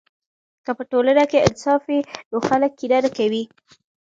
که په ټولنه کې انصاف وي نو خلک کینه نه کوي.